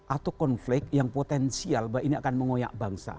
atau konflik yang potensial bahwa ini akan mengoyak bangsa